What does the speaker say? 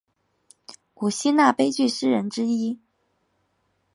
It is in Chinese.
古希腊悲剧诗人之一。